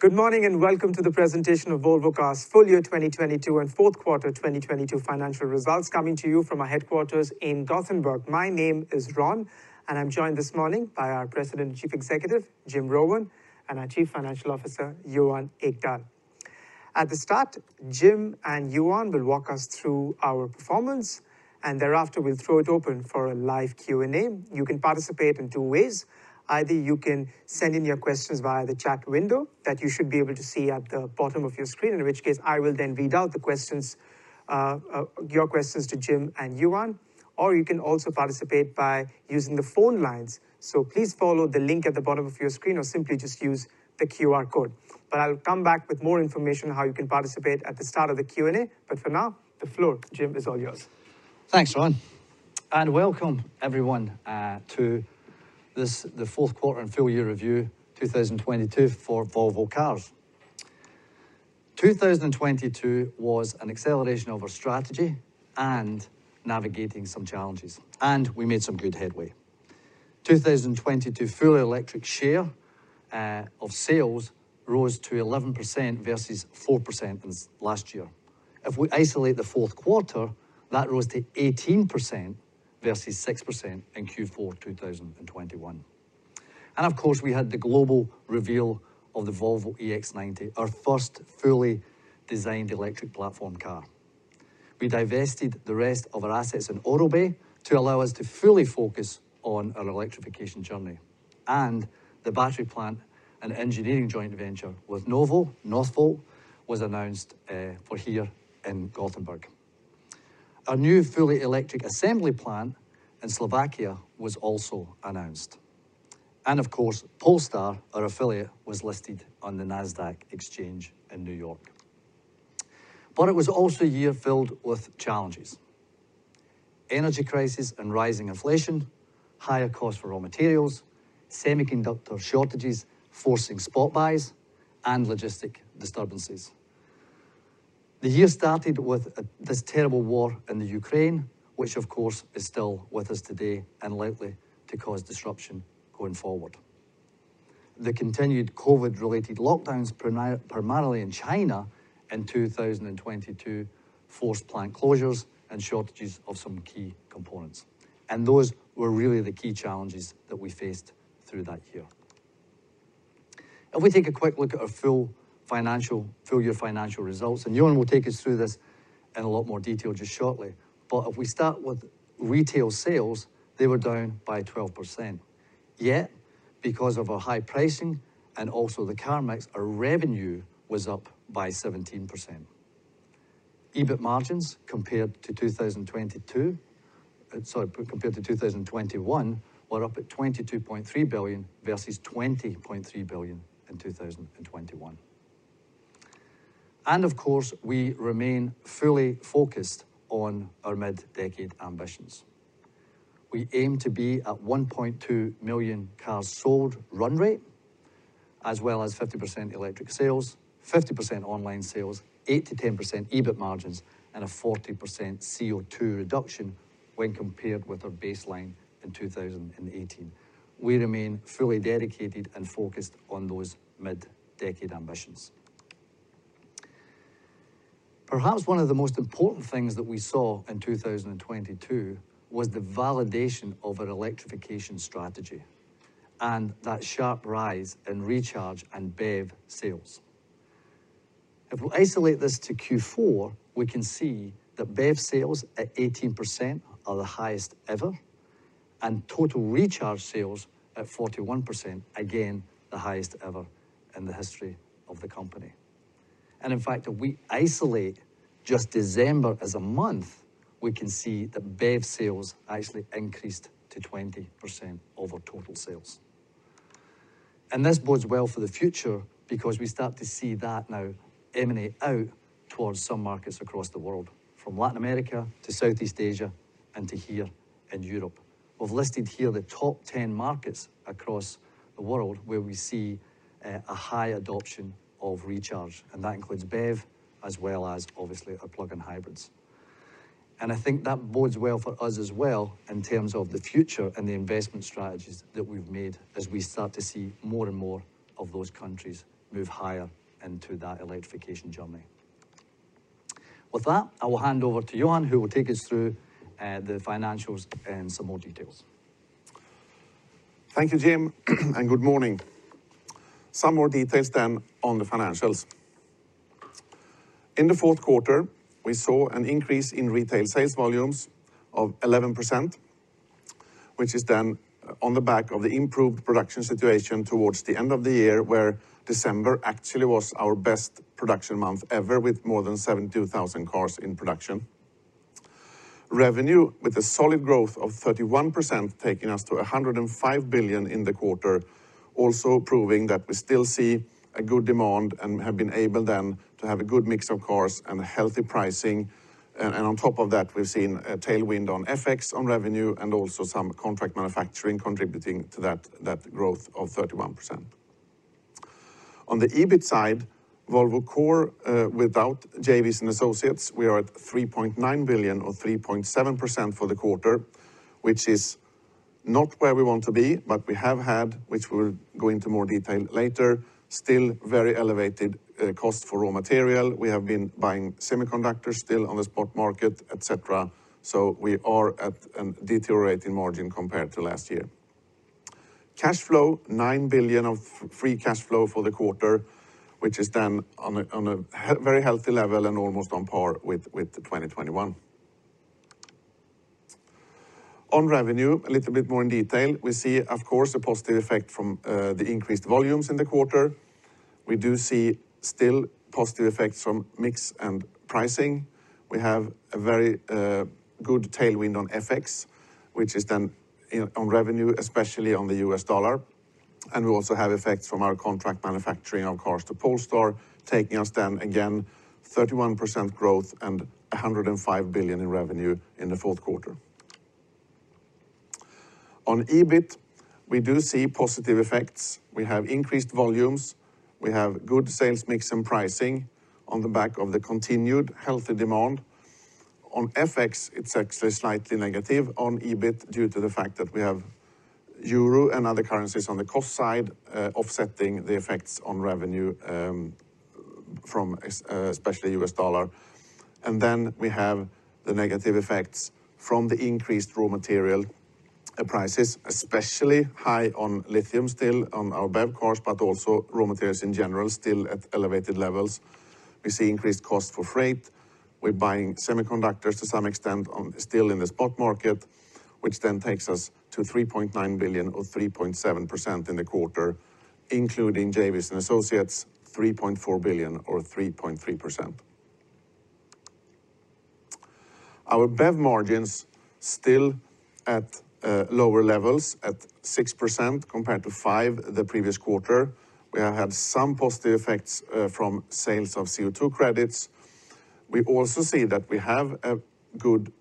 Good morning. Welcome to the presentation of Volvo Cars' Full Year 2022 and Fourth Quarter 2022 Financial Results coming to you from our headquarters in Gothenburg. My name is Ron. I'm joined this morning by our President and Chief Executive, Jim Rowan, and our Chief Financial Officer, Johan Ekdahl. At the start, Jim and Johan will walk us through our performance. Thereafter we'll throw it open for a live Q&A. You can participate in two ways. Either you can send in your questions via the chat window that you should be able to see at the bottom of your screen, in which case I will then read out the questions, your questions to Jim and Johan. You can also participate by using the phone lines. Please follow the link at the bottom of your screen or simply just use the QR code. I'll come back with more information on how you can participate at the start of the Q&A. For now, the floor, Jim, is all yours. Thanks, Ron, welcome everyone, to the fourth quarter and full year review 2022 for Volvo Cars. 2022 was an acceleration of our strategy and navigating some challenges, and we made some good headway. 2022 full electric share of sales rose to 11% versus 4% last year. If we isolate the fourth quarter, that rose to 18% versus 6% in Q4 2021. Of course, we had the global reveal of the Volvo EX90, our first fully designed electric platform car. We divested the rest of our assets in Aurobay to allow us to fully focus on our electrification journey. The battery plant and engineering joint venture with Novo, Northvolt, was announced for here in Gothenburg. Our new fully electric assembly plant in Slovakia was also announced. Polestar, our affiliate, was listed on the Nasdaq exchange in New York. It was also a year filled with challenges. Energy crisis and rising inflation, higher cost for raw materials, semiconductor shortages forcing spot buys, logistic disturbances. This terrible war in the Ukraine, which of course is still with us today and likely to cause disruption going forward. Continued COVID-related lockdowns primarily in China in 2022 forced plant closures and shortages of some key components. Those were really the key challenges that we faced through that year. If we take a quick look at our full year financial results, Johan will take us through this in a lot more detail just shortly. If we start with retail sales, they were down by 12%. Because of our high pricing and also the car mix, our revenue was up by 17%. EBIT margins compared to 2022, compared to 2021, were up at 22.3 billion versus 20.3 billion in 2021. Of course, we remain fully focused on our mid-decade ambitions. We aim to be at 1.2 million cars sold run rate, as well as 50% electric sales, 50% online sales, 8%-10% EBIT margins, and a 40% CO2 reduction when compared with our baseline in 2018. We remain fully dedicated and focused on those mid-decade ambitions. Perhaps one of the most important things that we saw in 2022 was the validation of our electrification strategy and that sharp rise in Recharge and BEV sales. If we isolate this to Q4, we can see that BEV sales at 18% are the highest ever, and total Recharge sales at 41%, again, the highest ever in the history of the company. In fact, if we isolate just December as a month, we can see that BEV sales actually increased to 20% of our total sales. This bodes well for the future because we start to see that now emanate out towards some markets across the world, from Latin America to Southeast Asia and to here in Europe. We've listed here the top 10 markets across the world where we see a high adoption of Recharge, and that includes BEV as well as obviously our plug-in hybrids. I think that bodes well for us as well in terms of the future and the investment strategies that we've made as we start to see more and more of those countries move higher into that electrification journey. With that, I will hand over to Johan, who will take us through the financials in some more details. Thank you, Jim, and good morning. Some more details on the financials. In the fourth quarter, we saw an increase in retail sales volumes of 11%, which is on the back of the improved production situation towards the end of the year, where December actually was our best production month ever with more than 72,000 cars in production. Revenue with a solid growth of 31%, taking us to 105 billion in the quarter, also proving that we still see a good demand and have been able to have a good car mix and a healthy pricing. On top of that, we've seen a tailwind on FX, on revenue, and also some contract manufacturing contributing to that growth of 31%. On the EBIT side, Volvo core, without JVs and associates, we are at 3.9 billion or 3.7% for the quarter. Not where we want to be, but we have had, which we'll go into more detail later, still very elevated, cost for raw material. We have been buying semiconductors still on the spot market, et cetera, so we are at a deteriorating margin compared to last year. Cash flow, 9 billion of free cash flow for the quarter, which is then on a very healthy level and almost on par with the 2021. On revenue, a little bit more in detail. We see, of course, a positive effect from the increased volumes in the quarter. We do see still positive effects from mix and pricing. We have a very good tailwind on FX, which is then on revenue, especially on the U.S. dollar, we also have effects from our contract manufacturing our cars to Polestar, taking us then again, 31% growth and 105 billion in revenue in the fourth quarter. On EBIT, we do see positive effects. We have increased volumes, we have good sales mix and pricing on the back of the continued healthy demand. On FX, it's actually slightly negative on EBIT due to the fact that we have euro and other currencies on the cost side, offsetting the effects on revenue, from especially U.S. dollar. We have the negative effects from the increased raw material prices, especially high on lithium still on our BEV cars, but also raw materials in general, still at elevated levels. We see increased cost for freight. We're buying semiconductors to some extent still in the spot market, which then takes us to 3.9 billion or 3.7% in the quarter, including JVs and associates, 3.4 billion or 3.3%. Our BEV margins still at lower levels at 6% compared to 5% the previous quarter. We have had some positive effects from sales of CO2 credits. We also see that we have a good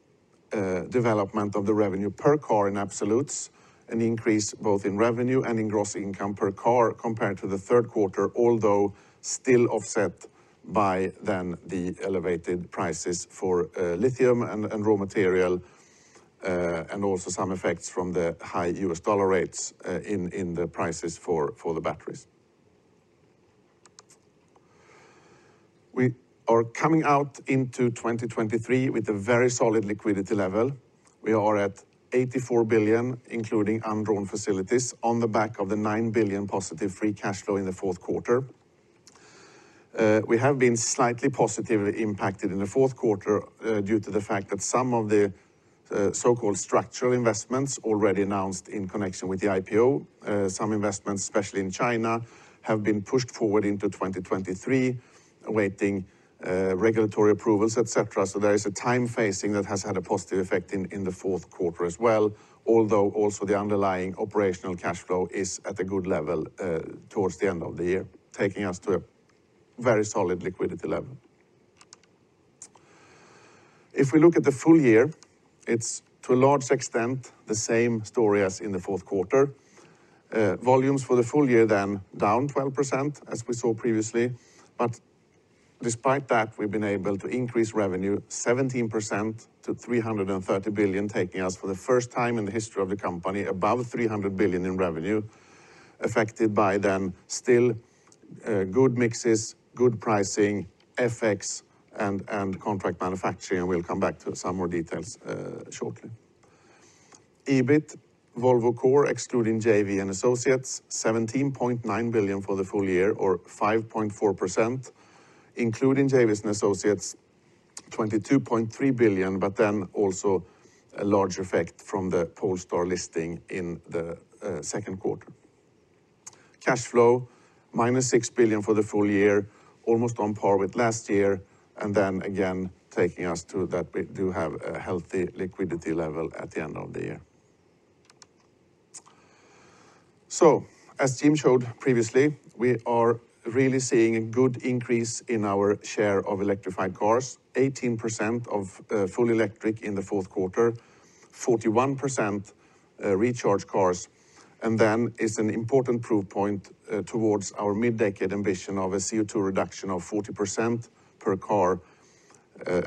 development of the revenue per car in absolutes, an increase both in revenue and in gross income per car compared to the third quarter, although still offset by the elevated prices for lithium and raw material and also some effects from the high U.S. dollar rates in the prices for the batteries. We are coming out into 2023 with a very solid liquidity level. We are at 84 billion, including undrawn facilities, on the back of the 9 billion positive free cash flow in the fourth quarter. We have been slightly positively impacted in the fourth quarter, due to the fact that some of the so-called structural investments already announced in connection with the IPO. Some investments, especially in China, have been pushed forward into 2023, awaiting regulatory approvals, et cetera. There is a time phasing that has had a positive effect in the fourth quarter as well, although also the underlying operational cash flow is at a good level towards the end of the year, taking us to a very solid liquidity level. If we look at the full year, it's to a large extent, the same story as in the fourth quarter. volumes for the full year down 12%, as we saw previously. Despite that, we've been able to increase revenue 17% to 330 billion, taking us for the first time in the history of the company, above 300 billion in revenue, affected by still, good mixes, good pricing, FX, and contract manufacturing. We'll come back to some more details, shortly. EBIT, Volvo core, excluding JVs and associates, 17.9 billion for the full year or 5.4%, including JVs and associates, 22.3 billion, also a large effect from the Polestar listing in the second quarter. Cash flow, -6 billion for the full year, almost on par with last year. Again, taking us to that we do have a healthy liquidity level at the end of the year. As Jim showed previously, we are really seeing a good increase in our share of electrified cars, 18% of full electric in the fourth quarter, 41% Recharge cars. It's an important proof point towards our mid-decade ambition of a CO2 reduction of 40% per car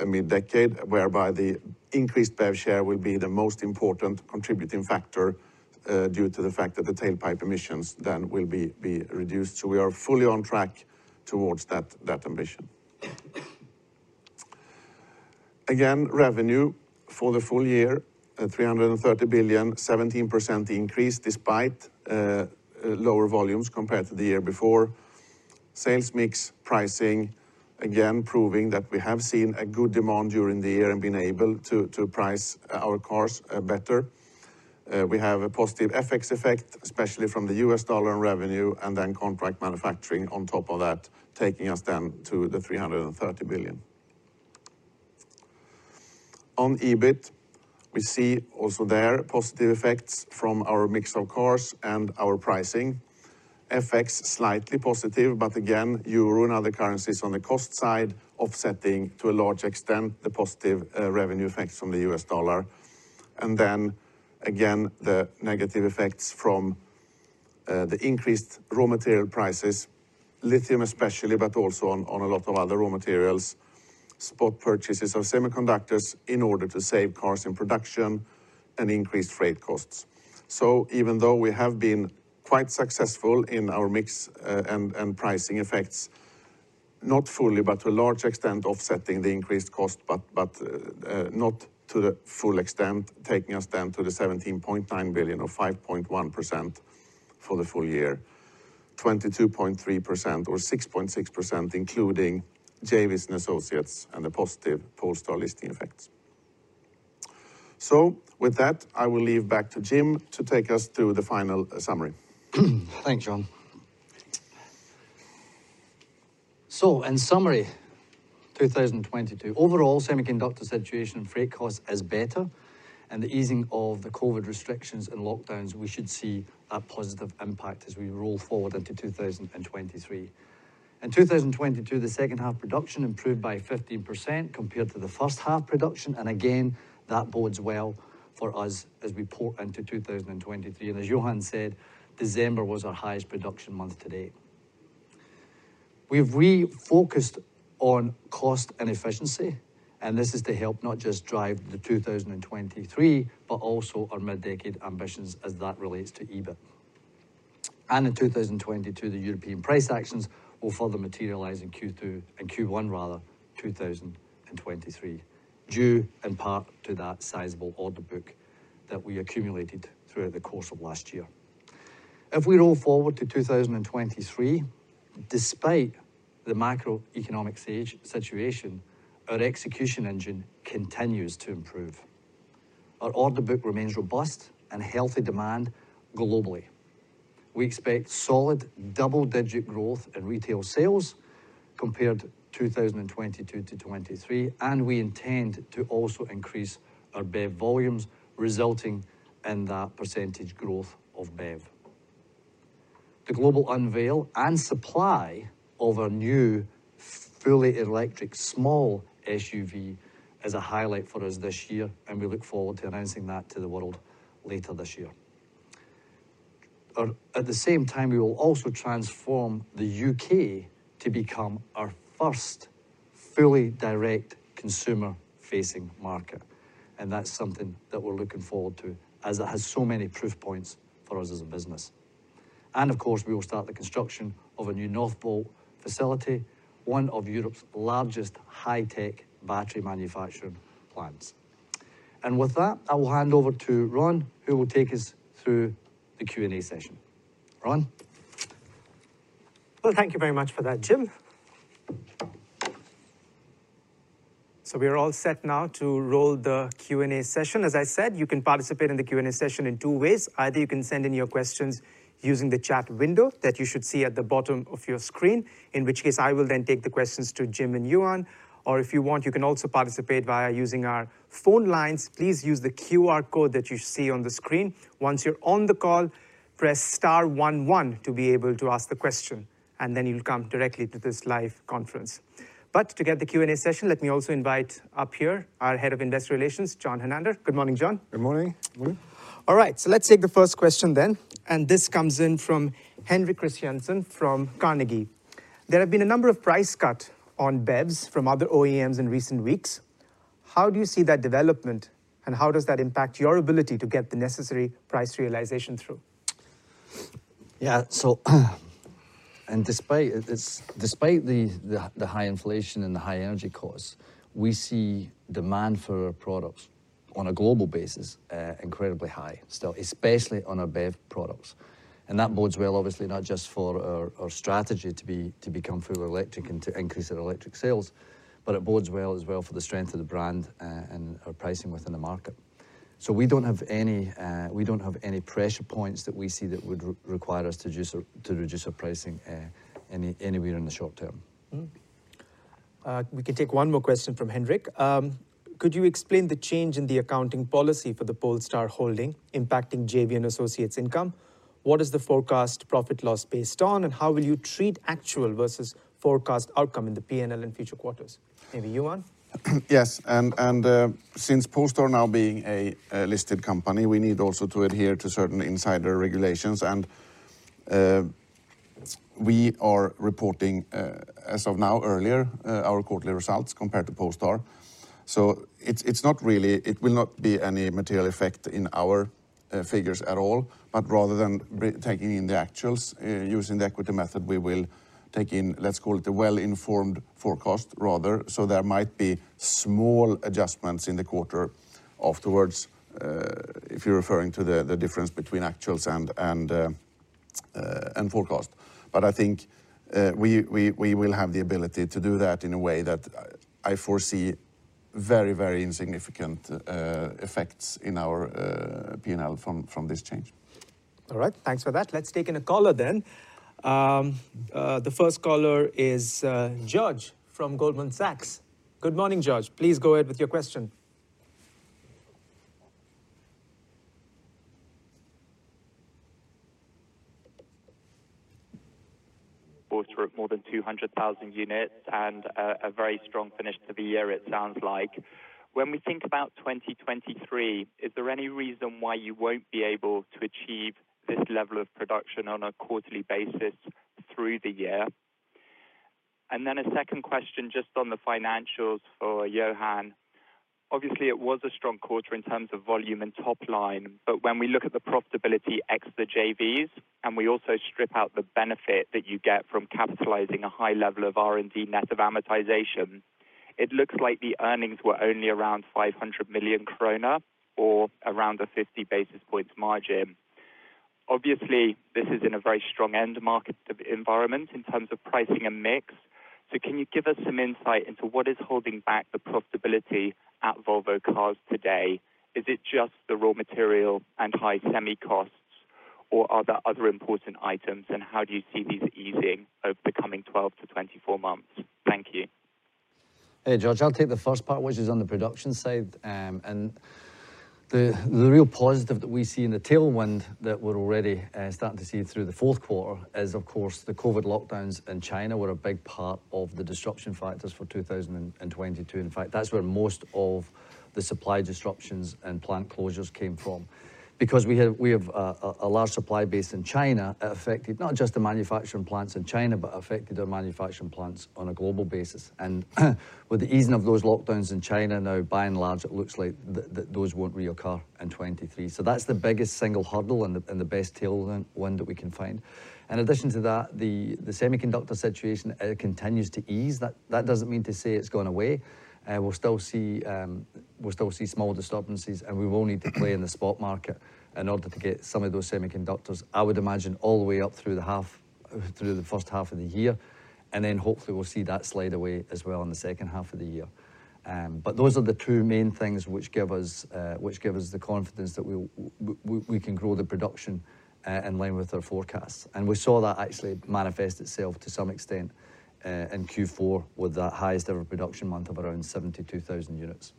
mid-decade, whereby the increased BEV share will be the most important contributing factor due to the fact that the tailpipe emissions then will be reduced. We are fully on track towards that ambition. Revenue for the full year at 330 billion, 17% increase despite lower volumes compared to the year before. Sales mix pricing, again, proving that we have seen a good demand during the year and been able to price our cars better. We have a positive FX effect, especially from the U.S. dollar in revenue and then contract manufacturing on top of that, taking us then to 330 billion. On EBIT, we see also there positive effects from our mix of cars and our pricing. FX, slightly positive, but again, euro and other currencies on the cost side, offsetting to a large extent the positive revenue effects from the U.S. dollar. Then again, the negative effects from the increased raw material prices, lithium especially, but also on a lot of other raw materials. Spot purchases of semiconductors in order to save cars in production and increased freight costs. Even though we have been quite successful in our mix, and pricing effects, not fully, but to a large extent offsetting the increased cost, not to the full extent, taking us down to 17.9 billion or 5.1% for the full year. 22.3% or 6.6%, including JVs and associates and the positive Polestar listing effects. With that, I will leave back to Jim to take us through the final summary. Thanks, Johan. In summary, 2022. Overall, semiconductor situation and freight cost is better and the easing of the COVID restrictions and lockdowns, we should see a positive impact as we roll forward into 2023. In 2022, the second half production improved by 15% compared to the first half production, again, that bodes well for us as we pour into 2023. As Johan said, December was our highest production month to date. We've refocused on cost and efficiency, this is to help not just drive the 2023, but also our mid-decade ambitions as that relates to EBIT. In 2022, the European price actions will further materialize in Q1 rather, 2023, due in part to that sizable order book that we accumulated throughout the course of last year. If we roll forward to 2023, despite the macroeconomic situation, our execution engine continues to improve. Our order book remains robust and healthy demand globally. We expect solid double-digit growth in retail sales compared 2022 to 23. We intend to also increase our BEV volumes, resulting in that % growth of BEV. The global unveil and supply of our new fully electric small SUV is a highlight for us this year. We look forward to announcing that to the world later this year. At the same time, we will also transform the U.K. to become our first fully direct consumer-facing market. That's something that we're looking forward to as it has so many proof points for us as a business. Of course, we will start the construction of a new Northvolt facility, one of Europe's largest high-tech battery manufacturing plants. With that, I will hand over to Ron, who will take us through the Q&A session. Ron? Thank you very much for that, Jim. We are all set now to roll the Q&A session. As I said, you can participate in the Q&A session in two ways. Either you can send in your questions using the chat window that you should see at the bottom of your screen, in which case I will then take the questions to Jim and Johan. If you want, you can also participate via using our phone lines. Please use the QR code that you see on the screen. Once you're on the call, press star one one to be able to ask the question, you'll come directly to this live conference. To get the Q&A session, let me also invite up here our Head of Investor Relations, Hernander. Good morning, John. Good morning. All right, let's take the first question then. This comes in from Henrik Christiansson from Carnegie. There have been a number of price cut on BEVs from other OEMs in recent weeks. How do you see that development, and how does that impact your ability to get the necessary price realization through? Despite this, despite the high inflation and the high energy costs, we see demand for our products on a global basis, incredibly high still, especially on our BEV products. That bodes well, obviously, not just for our strategy to become fully electric and to increase our electric sales, but it bodes well as well for the strength of the brand and our pricing within the market. We don't have any, we don't have any pressure points that we see that would require us to reduce our pricing anywhere in the short term. We can take one more question from Henrik. Could you explain the change in the accounting policy for the Polestar Holding impacting JV and associates income? What is the forecast profit loss based on, and how will you treat actual versus forecast outcome in the P&L in future quarters? Maybe Johan. Yes. Since Polestar now being a listed company, we need also to adhere to certain insider regulations. We are reporting, as of now, earlier, our quarterly results compared to Polestar. It will not be any material effect in our figures at all. Rather than taking in the actuals, using the equity method, we will take in, let's call it a well-informed forecast rather. There might be small adjustments in the quarter afterwards, if you're referring to the difference between actuals and forecast. I think, we will have the ability to do that in a way that I foresee very, very insignificant effects in our P&L from this change. All right. Thanks for that. Let's take in a caller then. The first caller is George from Goldman Sachs. Good morning, George. Please go ahead with your question. Quarter of more than 200,000 units and a very strong finish to the year it sounds like. When we think about 2023, is there any reason why you won't be able to achieve this level of production on a quarterly basis through the year? A second question just on the financials for Johan. Obviously, it was a strong quarter in terms of volume and top line, but when we look at the profitability ex the JVs, and we also strip out the benefit that you get from capitalizing a high level of R&D net of amortization, it looks like the earnings were only around 500 million kronor or around a 50 basis points margin. Obviously, this is in a very strong end market environment in terms of pricing and mix. Can you give us some insight into what is holding back the profitability at Volvo Cars today? Is it just the raw material and high semi costs or are there other important items, and how do you see these easing over the coming 12 to 24 months? Thank you. Hey, George. I'll take the first part, which is on the production side. The real positive that we see in the tailwind that we're already starting to see through the fourth quarter is of course the COVID lockdowns in China were a big part of the disruption factors for 2022. In fact, that's where most of the supply disruptions and plant closures came from. Because we have a large supply base in China, it affected not just the manufacturing plants in China, but affected our manufacturing plants on a global basis. With the easing of those lockdowns in China now, by and large, it looks like those won't reoccur in 2023. That's the biggest single hurdle and the best tailwind that we can find. In addition to that, the semiconductor situation, it continues to ease. That doesn't mean to say it's gone away. We'll still see, we'll still see small disturbances, and we will need to play in the spot market in order to get some of those semiconductors, I would imagine all the way up through the half, through the first half of the year. Hopefully we'll see that slide away as well in the second half of the year. Those are the two main things which give us, which give us the confidence that we can grow the production in line with our forecasts. We saw that actually manifest itself to some extent in Q4 with that highest ever production month of around 72,000 units.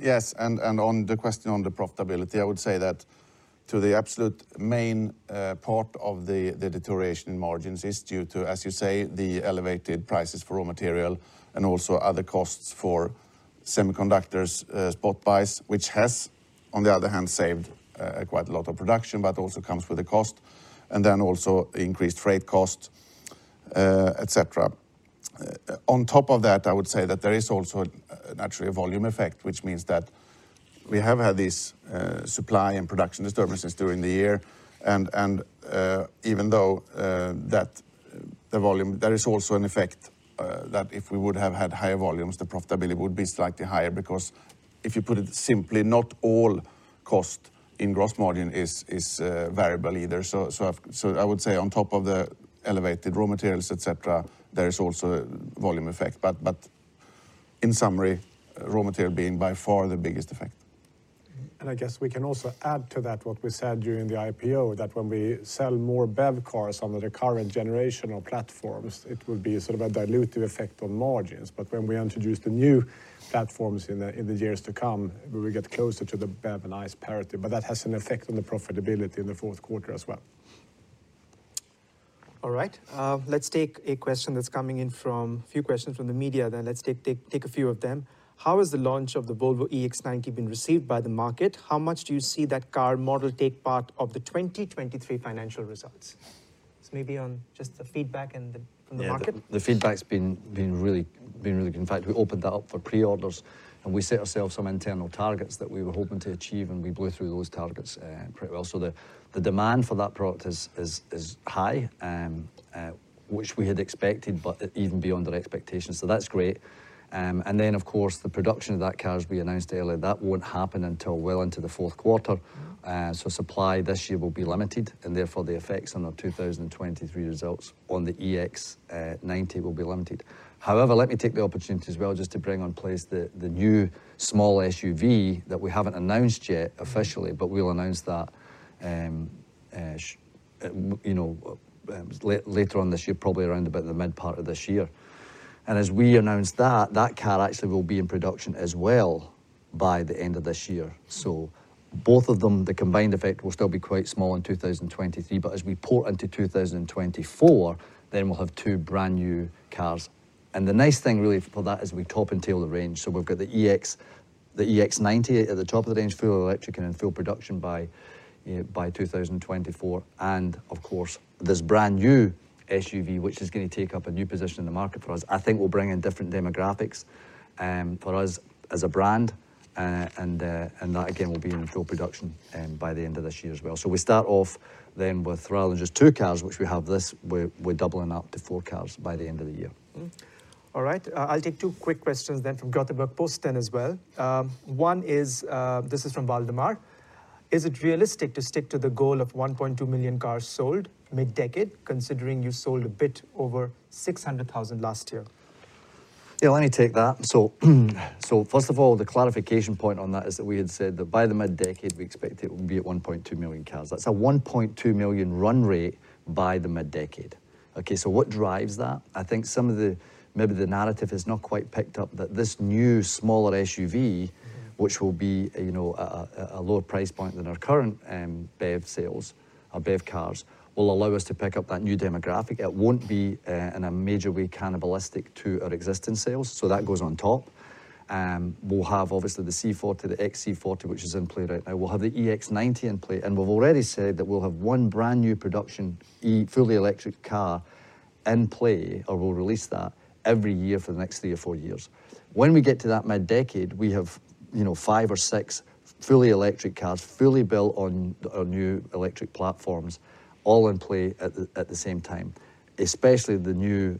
Yes, on the question on the profitability, I would say that to the absolute main part of the deterioration in margins is due to, as you say, the elevated prices for raw material and also other costs for semiconductors, spot buys, which has, on the other hand, saved quite a lot of production, but also comes with a cost. Also increased freight costs, et cetera. On top of that, I would say that there is also naturally a volume effect, which means that we have had these supply and production disturbances during the year and even though that the volume, there is also an effect that if we would have had higher volumes, the profitability would be slightly higher because if you put it simply, not all cost in gross margin is variable either. I would say on top of the elevated raw materials, et cetera, there is also volume effect. In summary, raw material being by far the biggest effect. I guess we can also add to that what we said during the IPO, that when we sell more BEV cars under the current generation of platforms, it will be sort of a dilutive effect on margins. When we introduce the new platforms in the years to come, we will get closer to the BEV and ICE parity, but that has an effect on the profitability in the fourth quarter as well. All right. Let's take a question that's coming in from, few questions from the media, then let's take a few of them. How has the launch of the Volvo EX90 been received by the market? How much do you see that car model take part of the 2023 financial results? Maybe on just the feedback from the market. Yeah. The feedback's been really good. In fact, we opened that up for pre-orders, and we set ourselves some internal targets that we were hoping to achieve, and we blew through those targets pretty well. The demand for that product is high, which we had expected, but even beyond our expectations. That's great. Then of course, the production of that car, as we announced earlier, that won't happen until well into the fourth quarter. Supply this year will be limited, and therefore the effects on our 2023 results on the EX90 will be limited. Let me take the opportunity as well just to bring on place the new small SUV that we haven't announced yet officially, but we'll announce that, you know, later on this year, probably around about the mid-part of this year. As we announce that car actually will be in production as well by the end of this year. Both of them, the combined effect will still be quite small in 2023, but as we port into 2024, we'll have two brand-new cars. The nice thing really for that is we top and tail the range. We've got the EX90 at the top of the range, full electric and in full production by, you know, by 2024. Of course, this brand-new SUV, which is gonna take up a new position in the market for us, I think will bring in different demographics for us as a brand. That again will be in full production by the end of this year as well. We start off then with rather than just two cars, which we have this, we're doubling up to four cars by the end of the year. All right. I'll take two quick questions then from Göteborgs-Posten as well. One is, this is from Waldemar. Is it realistic to stick to the goal of 1.2 million cars sold mid-decade, considering you sold a bit over 600,000 last year? Let me take that. First of all, the clarification point on that is that we had said that by the mid-decade, we expect it will be at 1.2 million cars. That's a 1.2 million run rate by the mid-decade. What drives that? I think some of the, maybe the narrative has not quite picked up that this new smaller SUV, which will be, you know, a lower price point than our current BEV sales, our BEV cars, will allow us to pick up that new demographic. It won't be in a major way cannibalistic to our existing sales. That goes on top. And we'll have obviously the C40, the XC40, which is in play right now. We'll have the EX90 in play, and we've already said that we'll have one brand new production fully electric car in play, or we'll release that every year for the next three or four years. When we get to that mid-decade, we have, you know, five or six fully electric cars, fully built on new electric platforms, all in play at the same time, especially the new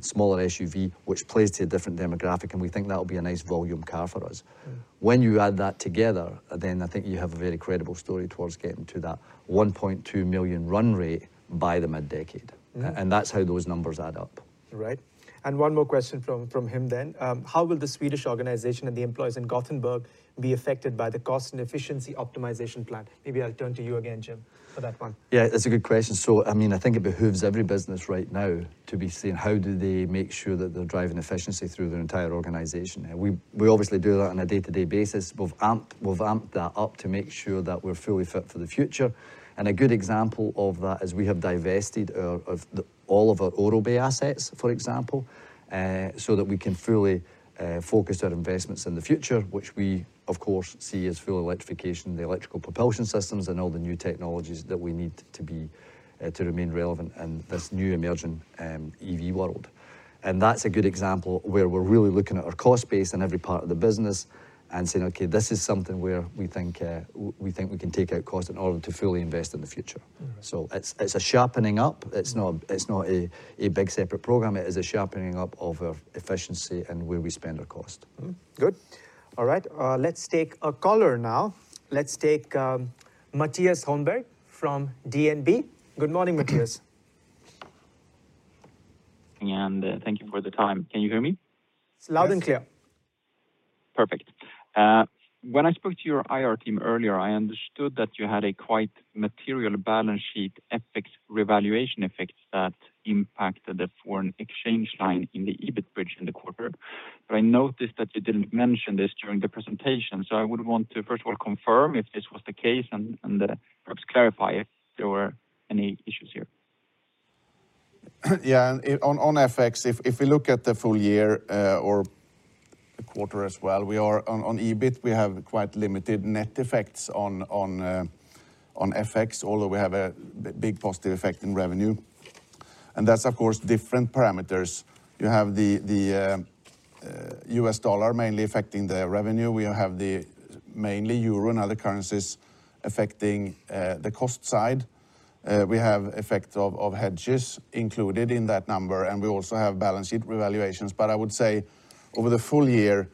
smaller SUV, which plays to a different demographic, and we think that will be a nice volume car for us. Mm-hmm. When you add that together, then I think you have a very credible story towards getting to that 1.2 million run rate by the mid-decade. Yeah. That's how those numbers add up. Right. One more question from him then. How will the Swedish organization and the employees in Gothenburg be affected by the cost and efficiency optimization plan. Maybe I'll turn to you again, Jim, for that one. That's a good question. I mean, I think it behooves every business right now to be seeing how do they make sure that they're driving efficiency through their entire organization. We obviously do that on a day-to-day basis. We've amped that up to make sure that we're fully fit for the future. A good example of that is we have divested all of our Aurobay assets, for example, so that we can fully focus our investments in the future, which we of course see as full electrification, the electrical propulsion systems and all the new technologies that we need to be to remain relevant in this new emerging EV world. That's a good example where we're really looking at our cost base in every part of the business and saying, "Okay, this is something where we think we can take out cost in order to fully invest in the future. All right. It's a sharpening up. It's not a big separate program. It is a sharpening up of our efficiency and where we spend our cost. Good. All right, let's take a caller now. Let's take Mattias Holmberg from DNB. Good morning, Mattias. Thank you for the time. Can you hear me? It's loud and clear. Perfect. When I spoke to your IR team earlier, I understood that you had a quite material balance sheet FX revaluation effects that impacted the foreign exchange line in the EBIT bridge in the quarter. I noticed that you didn't mention this during the presentation. I would want to first of all confirm if this was the case and perhaps clarify if there were any issues here. On FX, if we look at the full year, or the quarter as well, we are on EBIT, we have quite limited net effects on FX, although we have a big positive effect in revenue. That's of course different parameters. You have the U.S. dollar mainly affecting the revenue. We have the mainly euro and other currencies affecting the cost side. We have effect of hedges included in that number, and we also have balance sheet revaluations. I would say over the full year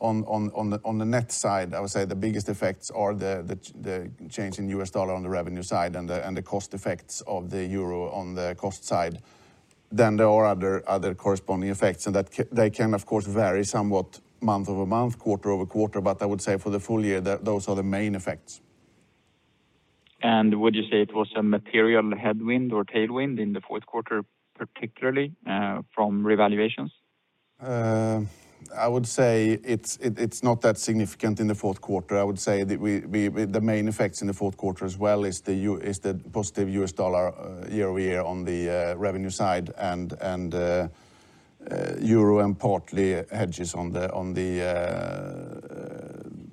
on the net side, I would say the biggest effects are the change in U.S. dollar on the revenue side and the cost effects of the euro on the cost side. There are other corresponding effects, and that they can of course vary somewhat month-over-month, quarter-over-quarter. I would say for the full year, those are the main effects. Would you say it was a material headwind or tailwind in the fourth quarter, particularly from revaluations? I would say it's not that significant in the fourth quarter. I would say that the main effects in the fourth quarter as well is the positive US dollar year-over-year on the revenue side and euro and partly hedges on the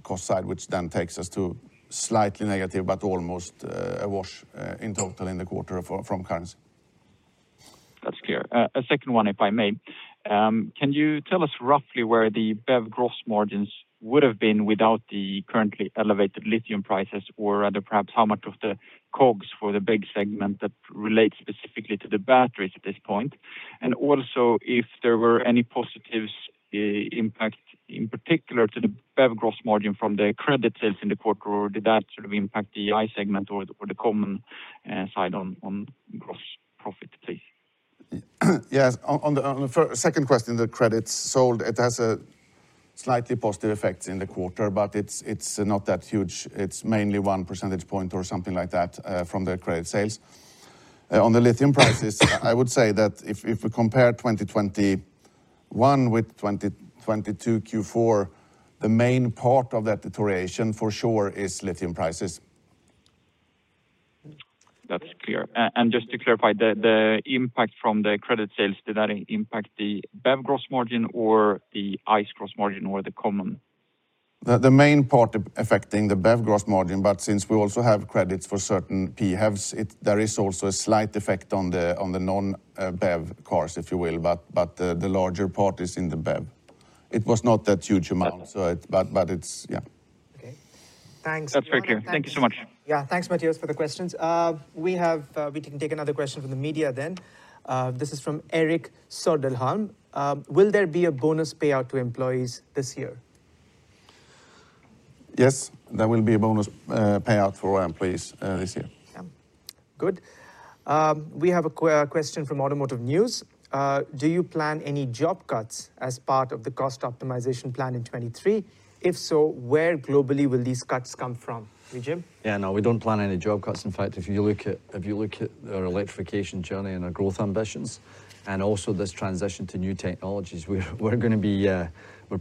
cost side, which then takes us to slightly negative, but almost a wash in total in the quarter from currency. That's clear. A second one, if I may. Can you tell us roughly where the BEV gross margins would have been without the currently elevated lithium prices, or rather perhaps how much of the COGS for the BEV segment that relates specifically to the batteries at this point? Also if there were any positives, impact in particular to the BEV gross margin from the credit sales in the quarter, or did that sort of impact the ICE segment or the common side on gross profit please? Yes. On the second question, the credits sold, it has a slightly positive effects in the quarter, but it's not that huge. It's mainly one percentage point or something like that from the credit sales. On the lithium prices, I would say that if we compare 2021 with 2022 Q4, the main part of that deterioration for sure is lithium prices. That's clear. Just to clarify, the impact from the credit sales, did that impact the BEV gross margin or the ICE gross margin or the common? The main part affecting the BEV gross margin, but since we also have credits for certain PHEVs, there is also a slight effect on the non-BEV cars, if you will, but the larger part is in the BEV. It was not that huge amount. Okay. It... But it's... Yeah. Okay. Thanks. That's very clear. Thank you so much. Yeah. Thanks, Mattias, for the questions. We have, we can take another question from the media then. This is from Erik Söderholm. Will there be a bonus payout to employees this year? There will be a bonus payout for employees this year. Yeah. Good. We have a question from Automotive News. Do you plan any job cuts as part of the cost optimization plan in 2023? If so, where globally will these cuts come from? Jim? No, we don't plan any job cuts. In fact, if you look at our electrification journey and our growth ambitions and also this transition to new technologies, we're gonna be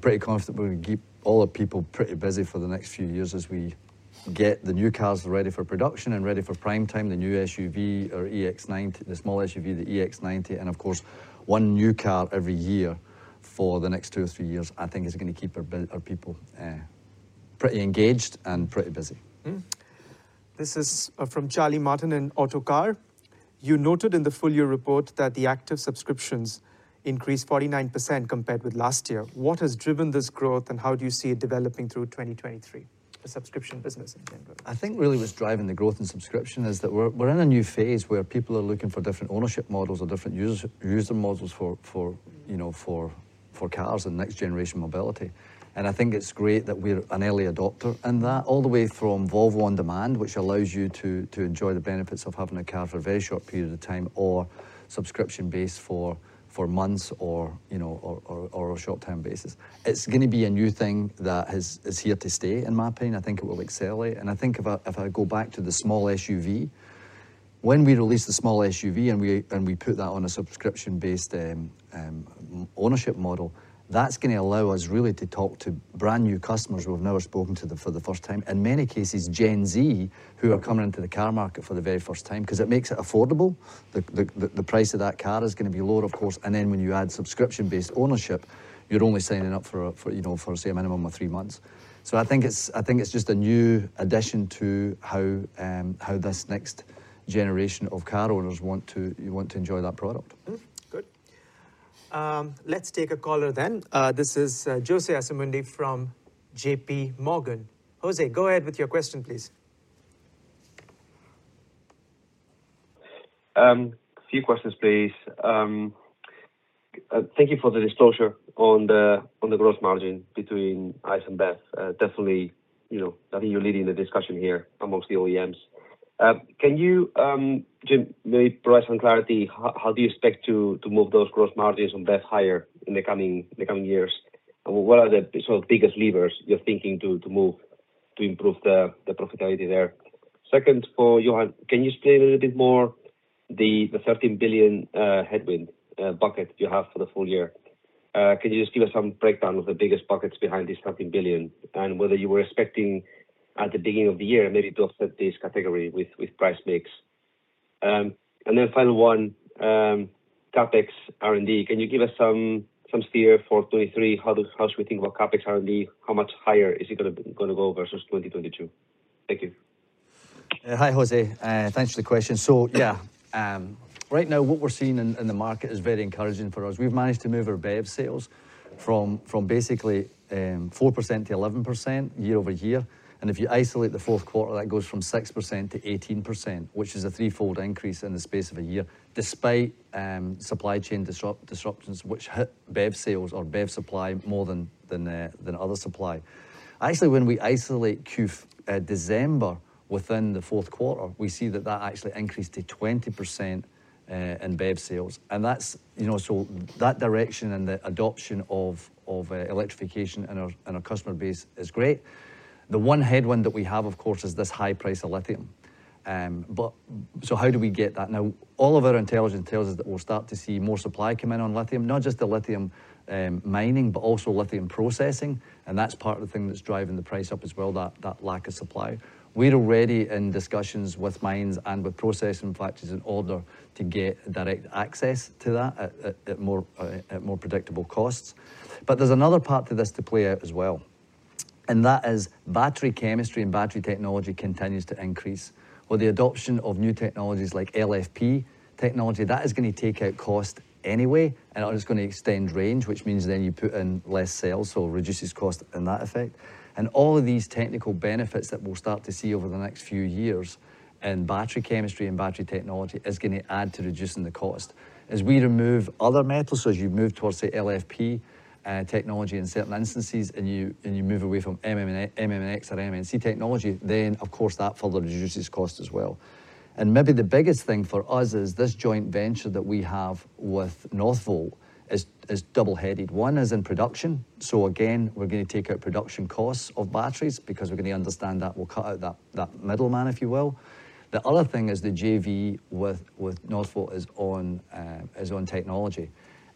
pretty confident we're gonna keep all our people pretty busy for the next few years as we get the new cars ready for production and ready for prime time, the new SUV or EX90, the small SUV, the EX90, and of course, one new car every year for the next two or three years, I think is gonna keep our people pretty engaged and pretty busy. This is from Charlie Martin in Autocar. You noted in the full year report that the active subscriptions increased 49% compared with last year. What has driven this growth, how do you see it developing through 2023, the subscription business in general? I think really what's driving the growth in subscription is that we're in a new phase where people are looking for different ownership models or different user models for, you know, for cars and next-generation mobility. I think it's great that we're an early adopter in that, all the way from Volvo On Demand, which allows you to enjoy the benefits of having a car for a very short period of time or subscription base for months or, you know, or a short-term basis. It's gonna be a new thing that is here to stay, in my opinion. I think it will accelerate. I think if I go back to the small SUV, when we released the small SUV and we put that on a subscription-based ownership model, that's going to allow us really to talk to brand-new customers we've never spoken to them for the first time. In many cases, Gen Z, who are coming into the car market for the very first time, 'cause it makes it affordable. The price of that car is going to be lower, of course. When you add subscription-based ownership, you're only signing up for a, you know, for say a minimum of three months. I think it's just a new addition to how this next generation of car owners want to enjoy that product. Good. Let's take a caller then. This is Jose Asumendi from JP Morgan. Jose, go ahead with your question, please. A few questions, please. Thank you for the disclosure on the growth margin between ICE and BEV. Definitely, you know, I think you're leading the discussion here amongst the OEMs. Can you, Jim, maybe provide some clarity, how do you expect to move those growth margins on BEV higher in the coming years? What are the sort of biggest levers you're thinking to move to improve the profitability there? Second, for Johan, can you explain a little bit more the 13 billion headwind bucket you have for the full year? Can you just give us some breakdown of the biggest buckets behind this 13 billion and whether you were expecting at the beginning of the year maybe to offset this category with price mix? Final one, CapEx R&D. Can you give us some steer for 2023, how should we think about CapEx R&D? How much higher is it gonna go versus 2022? Thank you. Hi, Jose. Thanks for the question. Yeah, right now what we're seeing in the market is very encouraging for us. We've managed to move our BEV sales from basically 4% to 11% year-over-year. If you isolate the fourth quarter, that goes from 6% to 18%, which is a threefold increase in the space of a year, despite supply chain disruptions, which hit BEV sales or BEV supply more than other supply. Actually, when we isolate December within the fourth quarter, we see that that actually increased to 20% in BEV sales. That's, you know, that direction and the adoption of electrification in our customer base is great. The one headwind that we have, of course, is this high price of lithium. How do we get that? All of our intelligence tells us that we'll start to see more supply come in on lithium, not just the lithium mining, but also lithium processing, and that's part of the thing that's driving the price up as well, that lack of supply. We're already in discussions with mines and with processing factories in order to get direct access to that at more predictable costs. There's another part to this to play out as well, and that is battery chemistry and battery technology continues to increase. With the adoption of new technologies like LFP technology, that is gonna take out cost anyway, and it is gonna extend range, which means then you put in less sales, so it reduces cost in that effect. All of these technical benefits that we'll start to see over the next few years in battery chemistry and battery technology is gonna add to reducing the cost. As we remove other metals, so as you move towards the LFP technology in certain instances, and you move away from ICE or MNC technology, then of course that further reduces cost as well. Maybe the biggest thing for us is this joint venture that we have with Northvolt is double-headed. One is in production, so again, we're gonna take out production costs of batteries because we're gonna understand that we'll cut out that middleman, if you will. The other thing is the JV with Northvolt is on technology.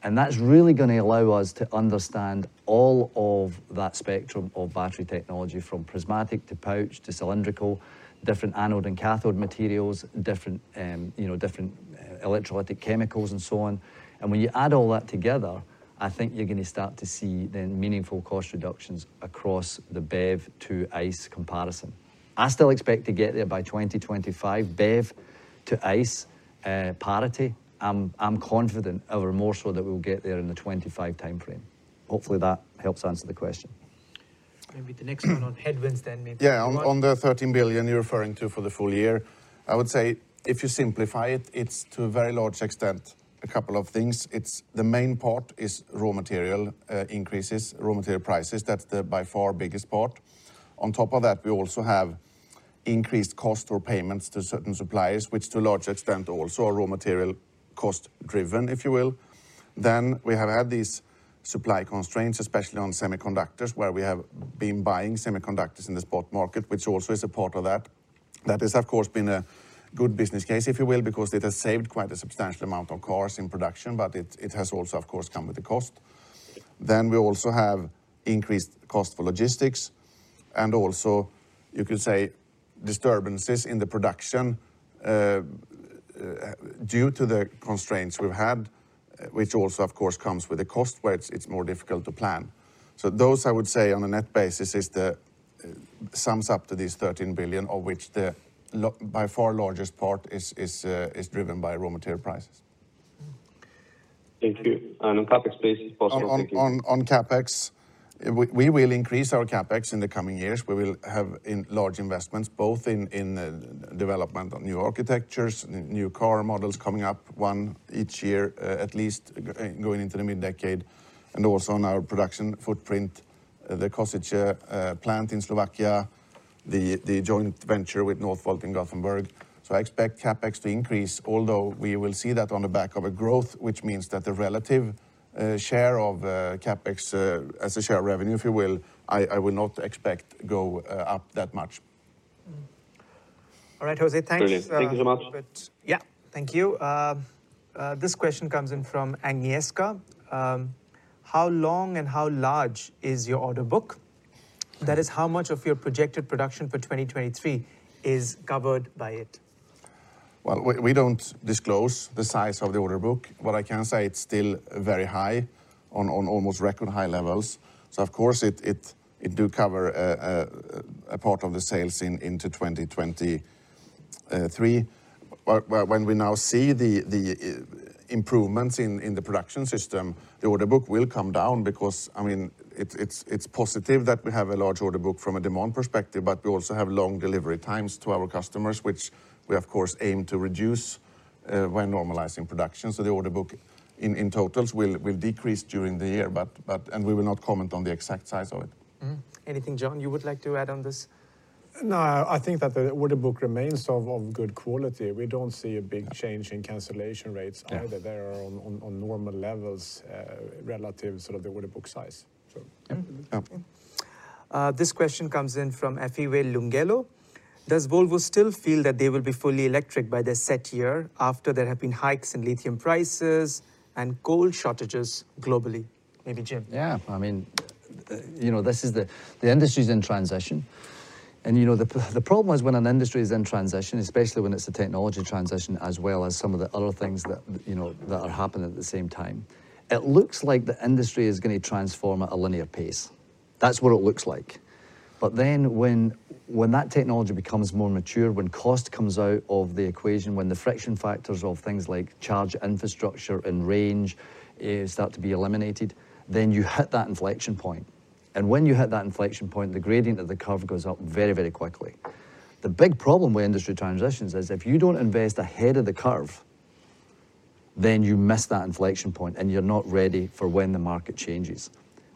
That's really gonna allow us to understand all of that spectrum of battery technology from prismatic to pouch to cylindrical, different anode and cathode materials, different, you know, different electrolytic chemicals and so on. When you add all that together, I think you're gonna start to see then meaningful cost reductions across the BEV to ICE comparison. I still expect to get there by 2025, BEV to ICE parity. I'm confident, ever more so, that we'll get there in the 25 timeframe. Hopefully, that helps answer the question. Maybe the next one on headwinds then. On the 13 billion you're referring to for the full year, I would say if you simplify it's to a very large extent a couple of things. It's the main part is raw material increases, raw material prices. That's the by far biggest part. On top of that, we also have increased cost or payments to certain suppliers, which to a large extent also are raw material cost-driven, if you will. We have had these supply constraints, especially on semiconductors, where we have been buying semiconductors in the spot market, which also is a part of that. That has, of course, been a good business case, if you will, because it has saved quite a substantial amount of cars in production, but it has also, of course, come with a cost. We also have increased cost for logistics and also you could say disturbances in the production due to the constraints we've had, which also of course comes with a cost where it's more difficult to plan. Those, I would say on a net basis, is the sums up to these 13 billion of which the by far largest part is driven by raw material prices. Thank you. On CapEx, please, if possible. Thank you. On CapEx, we will increase our CapEx in the coming years. We will have in large investments, both in development of new architectures, new car models coming up, one each year, at least going into the mid-decade, and also on our production footprint, the Kosice plant in Slovakia, the joint venture with Northvolt in Gothenburg. I expect CapEx to increase, although we will see that on the back of a growth, which means that the relative share of CapEx as a share of revenue, if you will, I would not expect go up that much. All right, Jose. Thanks. Thank you so much. Thank you. This question comes in from Agneska. How long and how large is your order book? That is, how much of your projected production for 2023 is covered by it? Well, we don't disclose the size of the order book. What I can say, it's still very high on almost record high levels. Of course it do cover a part of the sales into 2023. When we now see the improvements in the production system, the order book will come down because, I mean, it's positive that we have a large order book from a demand perspective, but we also have long delivery times to our customers, which we of course aim to reduce when normalizing production. The order book in totals will decrease during the year. We will not comment on the exact size of it. Mm-hmm. Anything, John, you would like to add on this? No, I think that the order book remains of good quality. We don't see a big change in cancellation rates either. Yeah. They are on normal levels, relative sort of the order book size. Yeah. This question comes in from Effie Lungelo. Does Volvo still feel that they will be fully electric by their set year after there have been hikes in lithium prices and coal shortages globally? Maybe Jim. Yeah. I mean, you know, the industry's in transition. You know, the problem is when an industry is in transition, especially when it's a technology transition, as well as some of the other things that, you know, that are happening at the same time, it looks like the industry is gonna transform at a linear pace. That's what it looks like. When that technology becomes more mature, when cost comes out of the equation, when the friction factors of things like charge infrastructure and range start to be eliminated, then you hit that inflection point. When you hit that inflection point, the gradient of the curve goes up very, very quickly. The big problem with industry transitions is if you don't invest ahead of the curve, then you miss that inflection point, and you're not ready for when the market changes.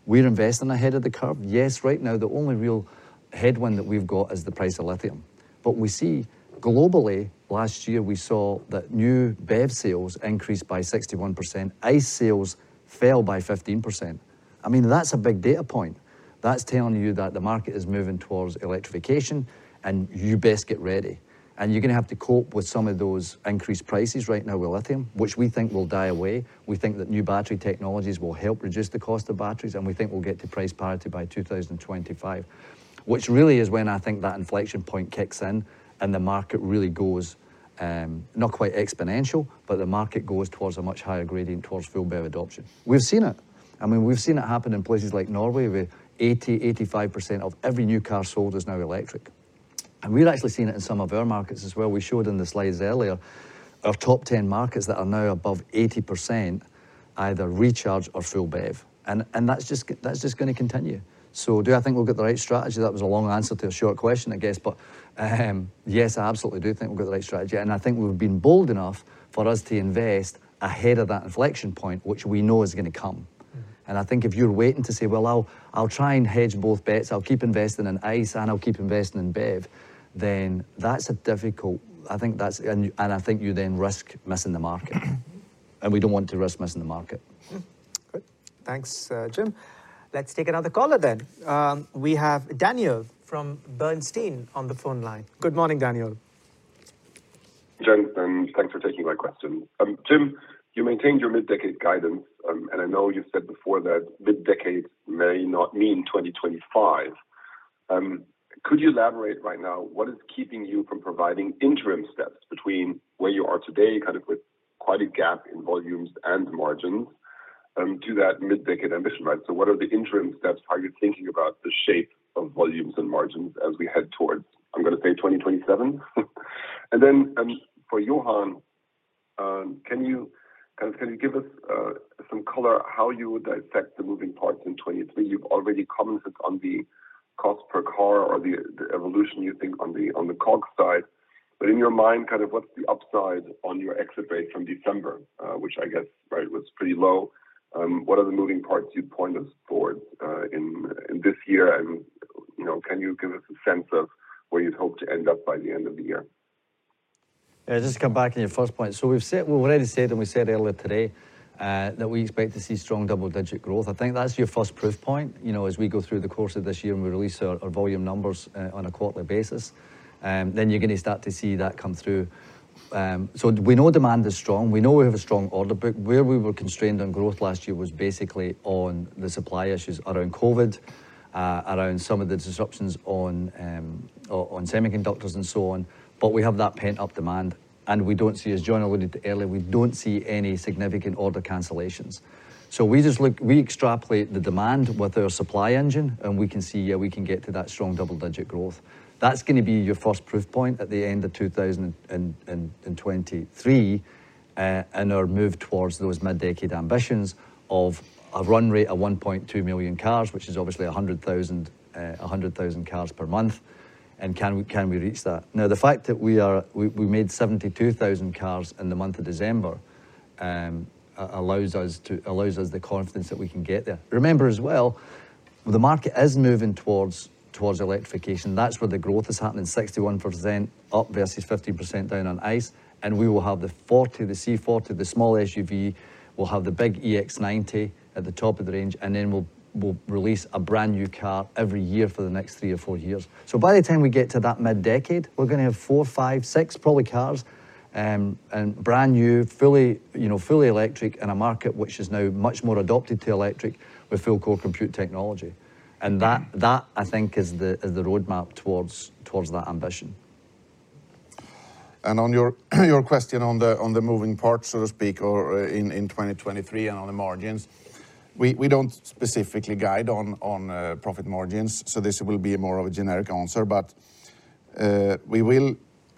We're investing ahead of the curve. Yes, right now, the only real headwind that we've got is the price of lithium. We see globally, last year, we saw that new BEV sales increased by 61%. ICE sales fell by 15%. I mean, that's a big data point. That's telling you that the market is moving towards electrification and you best get ready. You're gonna have to cope with some of those increased prices right now with lithium, which we think will die away. We think that new battery technologies will help reduce the cost of batteries, and we think we'll get to price parity by 2025, which really is when I think that inflection point kicks in and the market really goes not quite exponential, but the market goes towards a much higher gradient towards full BEV adoption. We've seen it. I mean, we've seen it happen in places like Norway, where 80%, 85% of every new car sold is now electric. We've actually seen it in some of our markets as well. We showed in the slides earlier our top 10 markets that are now above 80% either Recharge or full BEV. That's just gonna continue. Do I think we've got the right strategy? That was a long answer to a short question, I guess. Yes, I absolutely do think we've got the right strategy. I think we've been bold enough for us to invest ahead of that inflection point, which we know is gonna come. I think if you're waiting to say, "Well, I'll try and hedge both bets. I'll keep investing in ICE, and I'll keep investing in BEV," then that's a difficult. I think you then risk missing the market. We don't want to risk missing the market. Good. Thanks, Jim. Let's take another caller. We have Daniel from Bernstein on the phone line. Good morning, Daniel. Gentlemen, thanks for taking my question. Jim, you maintained your mid-decade guidance, and I know you said before that mid-decade may not mean 2025. Could you elaborate right now what is keeping you from providing interim steps between where you are today, kind of with quite a gap in volumes and margins, to that mid-decade ambition, right? So what are the interim steps? How are you thinking about the shape of volumes and margins as we head towards, I'm gonna say, 2027? And then, for Johan, can you give us some color how you would affect the moving parts in 2023? You've already commented on the cost per car or the evolution you think on the, on the COGS side. In your mind, kind of what's the upside on your exit rate from December, which I guess, right, was pretty low. What are the moving parts you'd point us towards in this year? You know, can you give us a sense of where you'd hope to end up by the end of the year? Yeah. Just to come back on your first point. We've said, we've already said, and we said earlier today that we expect to see strong double-digit growth. I think that's your first proof point. You know, as we go through the course of this year and we release our volume numbers on a quarterly basis, then you're gonna start to see that come through. We know demand is strong. We know we have a strong order book. Where we were constrained on growth last year was basically on the supply issues around COVID, around some of the disruptions on semiconductors and so on, but we have that pent-up demand, and we don't see, as Johan alluded to earlier, we don't see any significant order cancellations. We just extrapolate the demand with our supply engine, and we can see, yeah, we can get to that strong double-digit growth. That's gonna be your first proof point at the end of 2023 in our move towards those mid-decade ambitions of a run rate of 1.2 million cars, which is obviously 100,000 cars per month, and can we reach that? The fact that we made 72,000 cars in the month of December allows us the confidence that we can get there. Remember as well, the market is moving towards electrification. That's where the growth is happening, 61% up versus 15% down on ICE, and we will have the 40, the C40, the small SUV. We'll have the big EX90 at the top of the range. Then we'll release a brand-new car every year for the next three or four years. By the time we get to that mid-decade, we're gonna have four, five, six probably cars, and brand new, fully, you know, fully electric in a market which is now much more adopted to electric with full core compute technology. That I think is the roadmap towards that ambition. On your question on the moving parts, so to speak, or in 2023 and on the margins, we don't specifically guide on profit margins, so this will be more of a generic answer.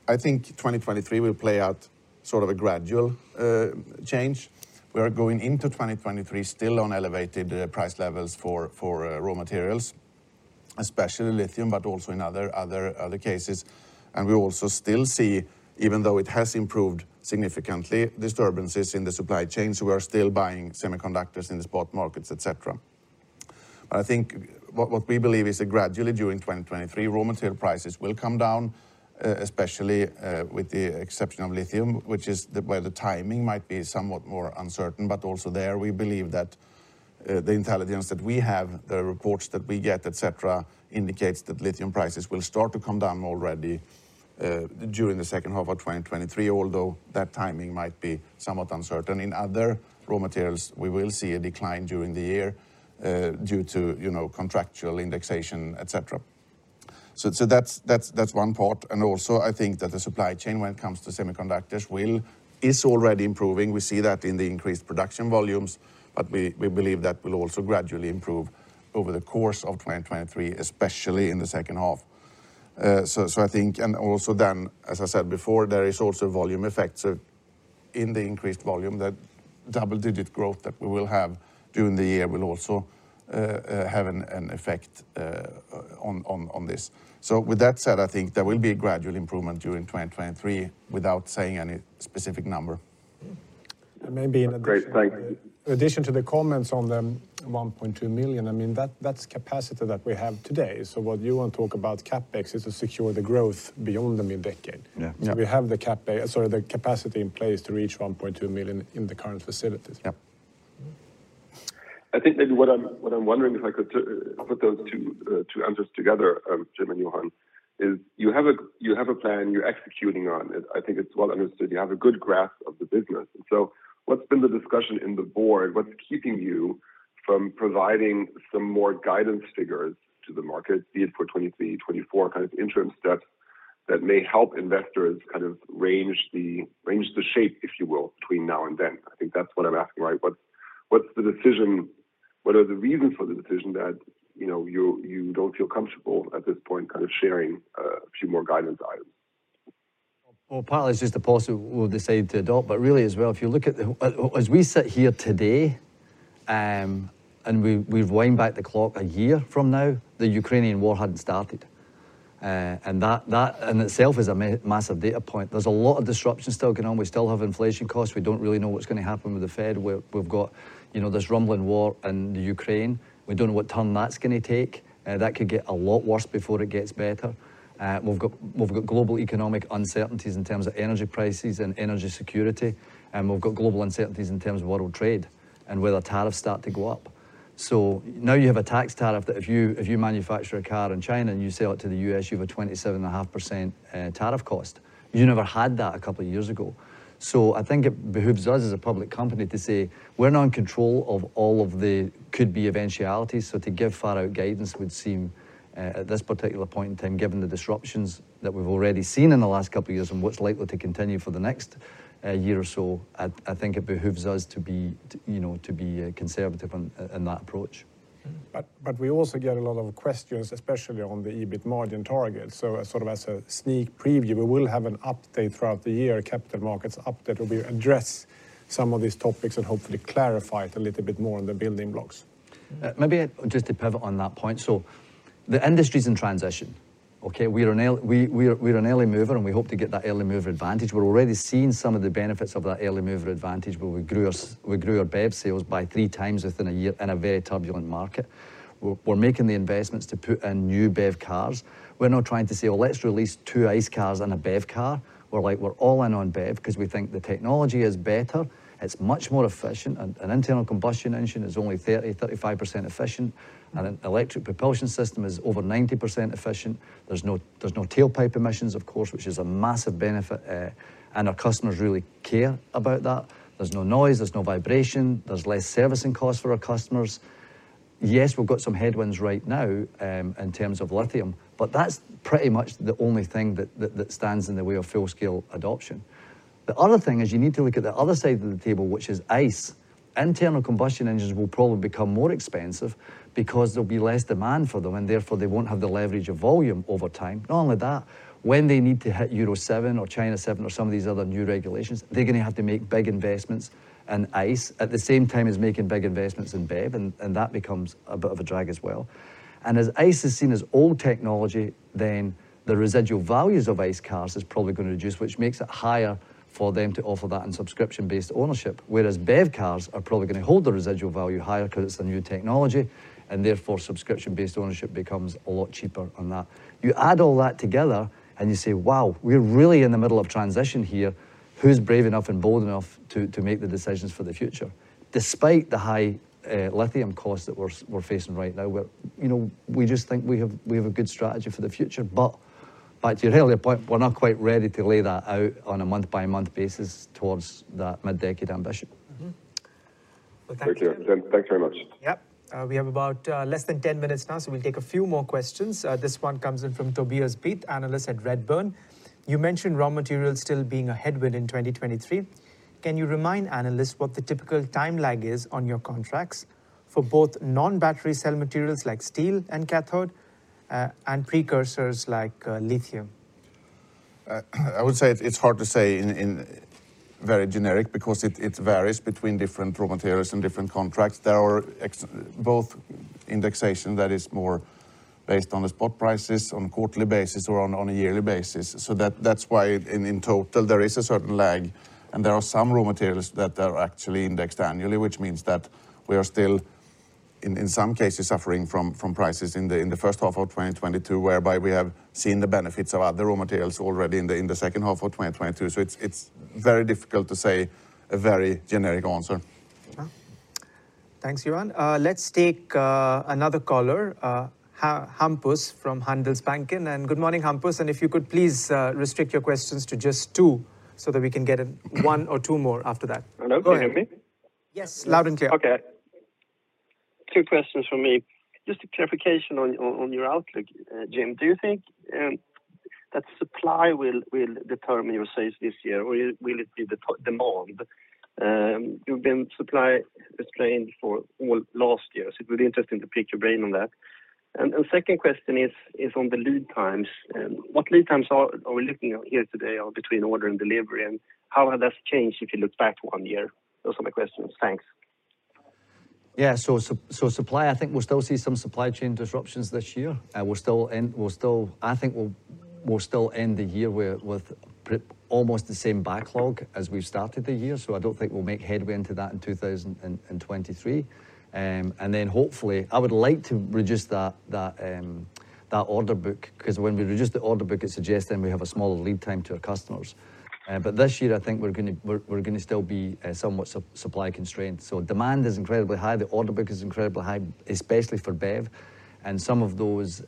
I think 2023 will play out sort of a gradual change. We are going into 2023 still on elevated price levels for raw materials, especially lithium, but also in other cases. We also still see, even though it has improved significantly, disturbances in the supply chain, so we're still buying semiconductors in the spot markets, et cetera. I think what we believe is that gradually during 2023, raw material prices will come down, especially with the exception of lithium, which is the where the timing might be somewhat more uncertain. Also there, we believe that the intelligence that we have, the reports that we get, et cetera, indicates that lithium prices will start to come down already during the second half of 2023, although that timing might be somewhat uncertain. In other raw materials, we will see a decline during the year due to, you know, contractual indexation, et cetera. That's one part, and also I think that the supply chain when it comes to semiconductors is already improving. We see that in the increased production volumes, but we believe that will also gradually improve over the course of 2023, especially in the second half. I think and also then, as I said before, there is also volume effects of in the increased volume, that double-digit growth that we will have during the year will also have an effect on this. With that said, I think there will be a gradual improvement during 2023 without saying any specific number. Maybe in addition- Great. In addition to the comments on the 1.2 million, I mean, that's capacity that we have today. What Johan talk about CapEx is to secure the growth beyond the mid-decade. Yeah. we have the CapEx, sorry, the capacity in place to reach 1.2 million in the current facilities. Yep. I think maybe what I'm wondering, if I could put those two answers together, Jim and Johan, is you have a plan, you're executing on it. I think it's well understood. You have a good grasp of the business. What's been the discussion in the board? What's keeping you from providing some more guidance figures to the market, be it for 2023, 2024, kind of interim steps that may help investors kind of range the shape, if you will, between now and then? I think that's what I'm asking, right? What's the decision? What are the reasons for the decision that, you know, you don't feel comfortable at this point kind of sharing a few more guidance items? Well, partly it's just the policy we've decided to adopt. Really as well, if you look at, as we sit here today, and we've wound back the clock a year from now, the Ukrainian War hadn't started. That in itself is a massive data point. There's a lot of disruption still going on. We still have inflation costs. We don't really know what's going to happen with the Fed. We've got, you know, this rumbling war in Ukraine. We don't know what turn that's going to take. That could get a lot worse before it gets better. We've got global economic uncertainties in terms of energy prices and energy security, we've got global uncertainties in terms of world trade and whether tariffs start to go up. Now you have a tax tariff that if you manufacture a car in China and you sell it to the U.S., you have a 27.5% tariff cost. You never had that a couple of years ago. I think it behooves us as a public company to say we're not in control of all of the could be eventualities. To give far out guidance would seem at this particular point in time, given the disruptions that we've already seen in the last couple of years and what's likely to continue for the next year or so, I think it behooves us to be, you know, to be conservative in that approach. We also get a lot of questions, especially on the EBIT margin target. As sort of as a sneak preview, we will have an update throughout the year, a capital markets update, where we address some of these topics and hopefully clarify it a little bit more on the building blocks. Maybe just to pivot on that point. The industry's in transition, okay? We're an early mover, and we hope to get that early mover advantage. We're already seeing some of the benefits of that early mover advantage, where we grew our BEV sales by 3x within a year in a very turbulent market. We're making the investments to put in new BEV cars. We're not trying to say, "Well, let's release two ICE cars and a BEV car." We're like, we're all in on BEV because we think the technology is better. It's much more efficient. An internal combustion engine is only 30%-35% efficient. An electric propulsion system is over 90% efficient. There's no tailpipe emissions, of course, which is a massive benefit. Our customers really care about that. There's no noise, there's no vibration, there's less servicing costs for our customers. Yes, we've got some headwinds right now, in terms of lithium, but that's pretty much the only thing that stands in the way of full-scale adoption. The other thing is you need to look at the other side of the table, which is ICE. Internal combustion engines will probably become more expensive because there'll be less demand for them, and therefore they won't have the leverage of volume over time. When they need to hit Euro 7 or China 6 or some of these other new regulations, they're gonna have to make big investments in ICE at the same time as making big investments in BEV, and that becomes a bit of a drag as well. As ICE is seen as old technology, then the residual values of ICE cars is probably gonna reduce, which makes it higher for them to offer that in subscription-based ownership. Whereas BEV cars are probably gonna hold the residual value higher 'cause it's a new technology, and therefore subscription-based ownership becomes a lot cheaper on that. You add all that together and you say, "Wow, we're really in the middle of transition here. Who's brave enough and bold enough to make the decisions for the future?" Despite the high lithium costs that we're facing right now. You know, we just think we have a good strategy for the future. Back to your earlier point, we're not quite ready to lay that out on a month-by-month basis towards that mid-decade ambition. Mm-hmm. Well, thank you. Thank you. Jim, thanks very much. Yep. We have about, less than 10 minutes now, so we'll take a few more questions. This one comes in from Tobias Buit, Analyst at Redburn. You mentioned raw materials still being a headwind in 2023. Can you remind analysts what the typical time lag is on your contracts for both non-battery cell materials like steel and cathode, and precursors like, lithium? I would say it's hard to say in very generic because it varies between different raw materials and different contracts. There are both indexation that is more based on the spot prices on a quarterly basis or on a yearly basis. That's why in total there is a certain lag, and there are some raw materials that are actually indexed annually, which means that we are still in some cases suffering from prices in the, in the first half of 2022, whereby we have seen the benefits of other raw materials already in the, in the second half of 2022. It's very difficult to say a very generic answer. Yeah. Thanks, Johan. Let's take another caller, Hampus from Handelsbanken. Good morning, Hampus, and if you could please restrict your questions to just two so that we can get in one or two more after that. Hello. Can you hear me? Go ahead. Yes, loud and clear. Okay. Two questions from me. Just a clarification on your outlook, Jim. Do you think that supply will determine your sales this year, or will it be the demand? You've been supply constrained for all last year, so it would be interesting to pick your brain on that. Second question is on the lead times. What lead times are we looking at here today or between order and delivery, and how has that changed if you look back one year? Those are my questions. Thanks. Supply, I think we'll still see some supply chain disruptions this year. We'll still end the year with almost the same backlog as we started the year. I don't think we'll make headway into that in 2023. Hopefully I would like to reduce that order book, 'cause when we reduce the order book, it suggests then we have a smaller lead time to our customers. This year I think we're gonna still be somewhat supply constrained. Demand is incredibly high. The order book is incredibly high, especially for BEV and some of those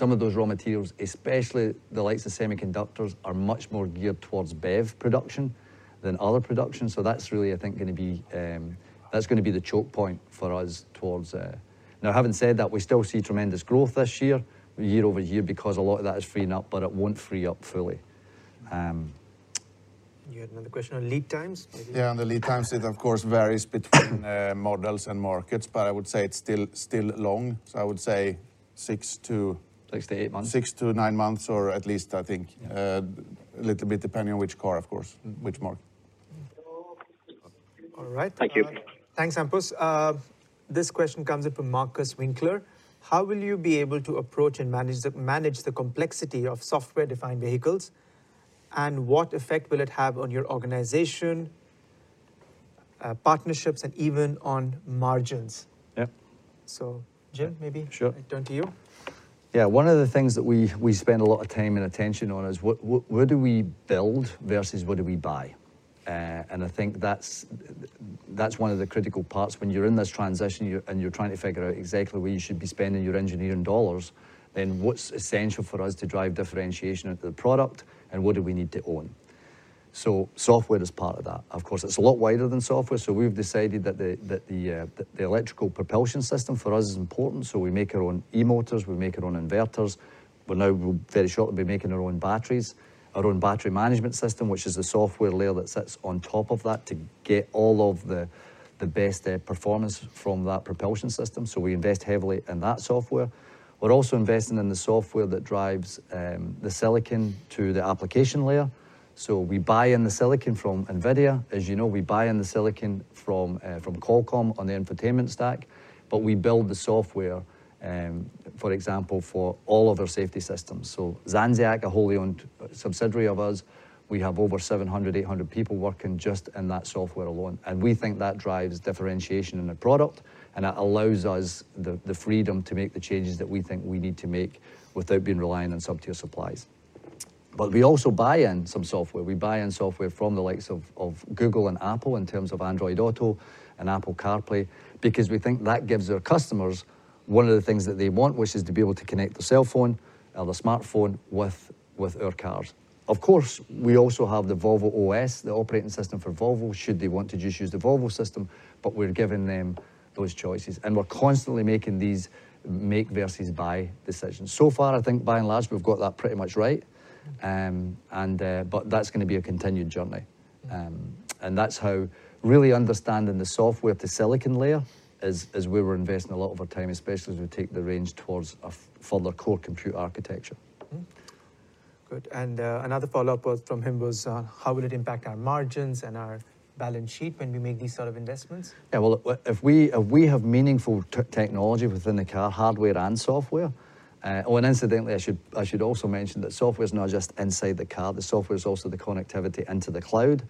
raw materials, especially the likes of semiconductors, are much more geared towards BEV production than other production. That's really I think gonna be, that's gonna be the choke point for us towards. Now, having said that, we still see tremendous growth this year-over-year, because a lot of that is freeing up, but it won't free up fully. You had another question on lead times, maybe? Yeah, on the lead times, it of course varies between models and markets, but I would say it's still long. six-eight months ...six to nine months or at least I think, a little bit depending on which car of course, which mark. All right. Thank you. Thanks, Hampus. This question comes in from Marcus Winkler. How will you be able to approach and manage the complexity of software-defined vehicles, and what effect will it have on your organization, partnerships, and even on margins? Yeah. Jim, maybe. Sure. I turn to you. Yeah. One of the things that we spend a lot of time and attention on is what do we build versus what do we buy? I think that's one of the critical parts when you're in this transition, you're trying to figure out exactly where you should be spending your engineering dollars, what's essential for us to drive differentiation into the product and what do we need to own. Software is part of that. Of course, it's a lot wider than software. We've decided that the electrical propulsion system for us is important, we make our own e-motors, we make our own inverters. We'll very shortly be making our own batteries. Our own battery management system, which is the software layer that sits on top of that to get all of the best performance from that propulsion system. We invest heavily in that software. We're also investing in the software that drives the silicon to the application layer. We buy in the silicon from Nvidia. As you know, we buy in the silicon from Qualcomm on the infotainment stack. We build the software, for example, for all of our safety systems. Zenseact, a wholly owned subsidiary of us, we have over 700, 800 people working just in that software alone. We think that drives differentiation in the product and that allows us the freedom to make the changes that we think we need to make without being reliant on sub-tier supplies. We also buy in some software. We buy in software from the likes of Google and Apple in terms of Android Auto and Apple CarPlay, because we think that gives our customers one of the things that they want, which is to be able to connect the cell phone or the smartphone with our cars. Of course, we also have the VolvoCars OS, the operating system for Volvo, should they want to just use the Volvo system, but we're giving them those choices and we're constantly making these make versus buy decisions. So far, I think by and large, we've got that pretty much right, but that's going to be a continued journey. That's how really understanding the software, the silicon layer as we were investing a lot of our time, especially as we take the range towards a further core compute architecture. Good. Another follow-up was from him was how will it impact our margins and our balance sheet when we make these sort of investments? Yeah, well, if we have meaningful technology within the car, hardware and software. Incidentally, I should also mention that software is not just inside the car, the software is also the connectivity into the cloud,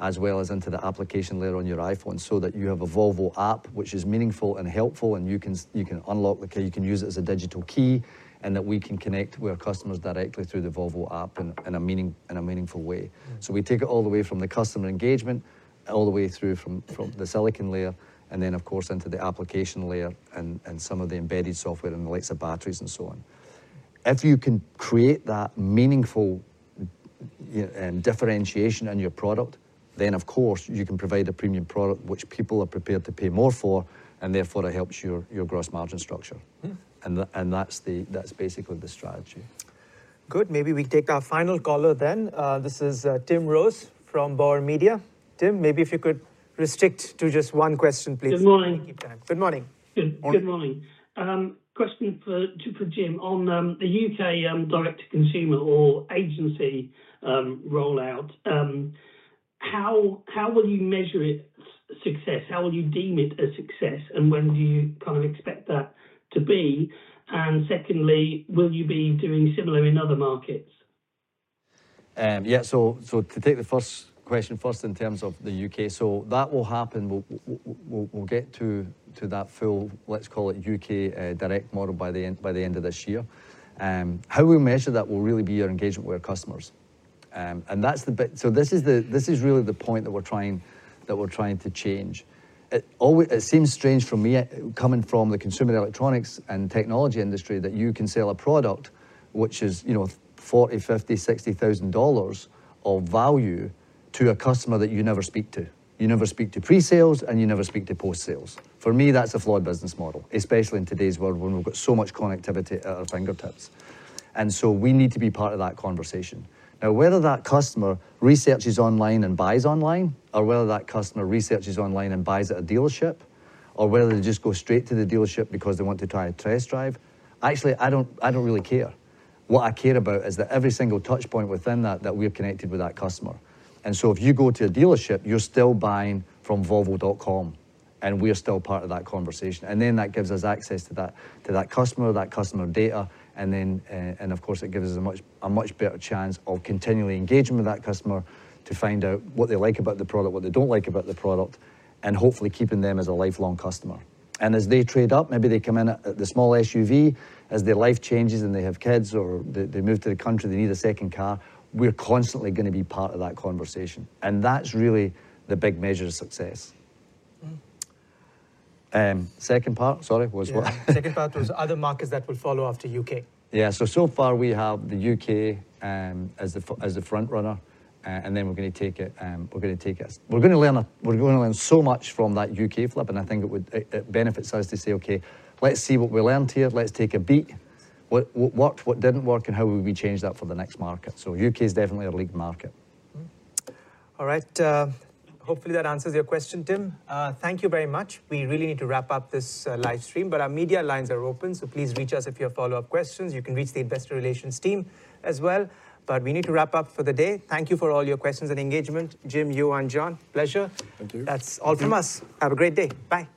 as well as into the application layer on your iPhone, so that you have a Volvo app, which is meaningful and helpful, and you can unlock the car, you can use it as a digital key, and that we can connect with our customers directly through the Volvo app in a meaningful way. We take it all the way from the customer engagement, all the way through from the silicon layer, and then of course, into the application layer and some of the embedded software in the likes of batteries and so on. If you can create that meaningful, yeah, and differentiation in your product, then of course, you can provide a premium product which people are prepared to pay more for, and therefore it helps your gross margin structure. Mm-hmm. That's the, basically the strategy. Good. Maybe we take our final caller then. This is Tim Rose from Bauer Media. Tim, maybe if you could restrict to just one question, please. Good morning. Good morning. Good morning. Question for Jim. On the U.K. direct-to-consumer or agency rollout, how will you measure its success? How will you deem it a success? When do you kind of expect that to be? Secondly, will you be doing similar in other markets? Yeah. To take the first question first in terms of the U.K. That will happen. We'll get to that full, let's call it U.K., direct model by the end of this year. How we measure that will really be our engagement with our customers. This is really the point that we're trying to change. It seems strange for me coming from the consumer electronics and technology industry that you can sell a product which is, you know, $40,000, $50,000, $60,000 of value to a customer that you never speak to. You never speak to pre-sales, you never speak to post-sales. For me, that's a flawed business model, especially in today's world when we've got so much connectivity at our fingertips. We need to be part of that conversation. Whether that customer researches online and buys online, or whether that customer researches online and buys at a dealership, or whether they just go straight to the dealership because they want to try a test drive, actually, I don't really care. What I care about is that every single touch point within that, we're connected with that customer. If you go to a dealership, you're still buying from volvocars.com, and we are still part of that conversation. That gives us access to that customer, that customer data. Then, and of course, it gives us a much better chance of continually engaging with that customer to find out what they like about the product, what they don't like about the product, and hopefully keeping them as a lifelong customer. As they trade up, maybe they come in at the small SUV as their life changes, and they have kids or they move to the country, they need a second car, we're constantly going to be part of that conversation. That's really the big measure of success. Mm-hmm. Second part, sorry, was what? Yeah. Second part was other markets that will follow after UK. So far we have the U.K. as the front runner. Then we're going to take it. We're going to learn so much from that U.K. flip, and I think it would, it benefits us to say, "Okay, let's see what we learned here. Let's take a beat. What worked, what didn't work, and how will we change that for the next market?" U.K. is definitely a lead market. All right. Hopefully, that answers your question, Tim. Thank you very much. We really need to wrap up this live stream. Our media lines are open. Please reach us if you have follow-up questions. You can reach the Investor Relations team as well. We need to wrap up for the day. Thank you for all your questions and engagement. Jim, you and Johan, pleasure. Thank you. That's all from us. Have a great day. Bye.